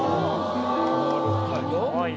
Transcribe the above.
なるほど。